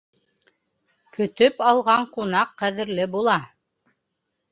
Көтөп алған ҡунаҡ ҡәҙерле була.